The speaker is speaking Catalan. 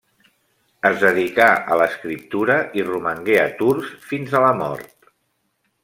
Es dedicà a l'escriptura, i romangué a Tours fins a la mort.